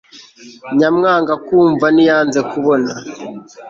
nyamwanga kwumva ntiyanze kubona